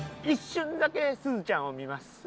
一瞬だけすずちゃんを見ます。